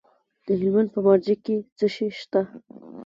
د هلمند په مارجه کې څه شی شته؟